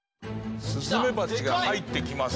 スズメバチが入ってきます。